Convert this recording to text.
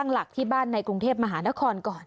หลักที่บ้านในกรุงเทพมหานครก่อน